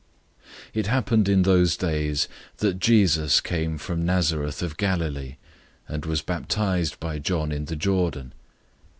001:009 It happened in those days, that Jesus came from Nazareth of Galilee, and was baptized by John in the Jordan.